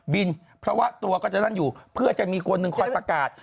เพราะว่าตัวก็จะนั่งอยู่เพื่อจะมีคนหนึ่งคอยประกาศ